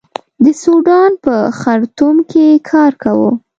د سوډان په خرتوم کې کار کاوه.